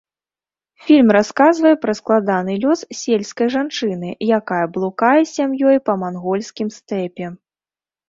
Фільм расказвае пра складаны лёс сельскай жанчыны, якая блукае з сям'ёй па мангольскім стэпе.